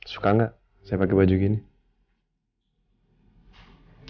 suka gak saya pake baju gini